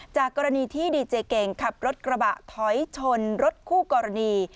จากกรณีที่ดีเจเก่งขับรถกระบะถอยชนรถคู่กรณี